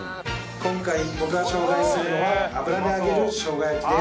今回僕が紹介するのは油で揚げるしょうが焼きです。